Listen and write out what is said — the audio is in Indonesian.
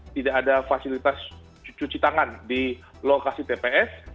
tidak ada fasilitas cuci tangan di lokasi tps